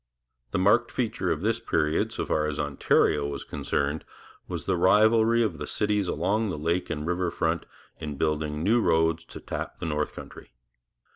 The marked feature of this period, so far as Ontario was concerned, was the rivalry of the cities along the lake and river front in building new roads to tap the north country.